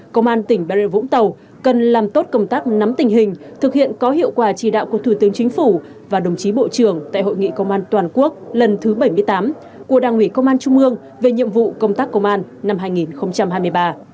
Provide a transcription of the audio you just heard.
công an tỉnh bà rịa vũng tàu cần làm tốt công tác nắm tình hình thực hiện có hiệu quả chỉ đạo của thủ tướng chính phủ và đồng chí bộ trưởng tại hội nghị công an toàn quốc lần thứ bảy mươi tám của đảng ủy công an trung ương về nhiệm vụ công tác công an năm hai nghìn hai mươi ba